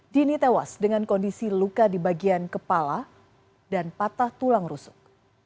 dini tewas dengan kondisi luka di bagian kepala dan patah tulang rusuk